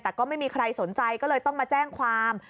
แต่ก็ไม่มีใครสนใจก็เลยต้องมาแจ้งความ